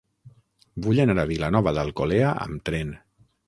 Vull anar a Vilanova d'Alcolea amb tren.